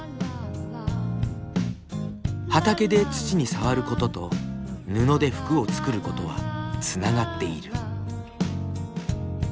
畑で土に触ることと布で服を作ることはつながっている。